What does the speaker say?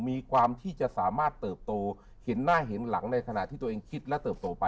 มีความที่จะสามารถเติบโตเห็นหน้าเห็นหลังในขณะที่ตัวเองคิดและเติบโตไป